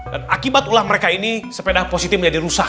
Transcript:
dan akibat ulah mereka ini sepeda positif menjadi rusak